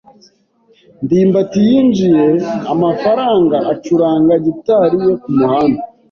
ndimbati yinjije amafaranga acuranga gitari ye kumuhanda.